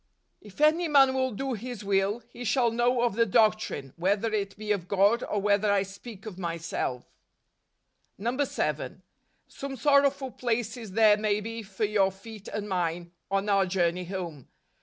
" If any man will do His will , he shall know of the doctrine, whether it he of God, or whether I speak of myself " 7. Some sorrowful places there may be for your feet and mine on our journey home.